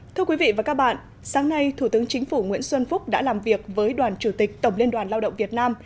thưa quý vị và các bạn sáng nay thủ tướng chính phủ nguyễn xuân phúc đã làm việc với đoàn chủ tịch tổng liên đoàn lao động việt nam